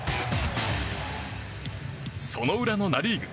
その裏のナ・リーグ。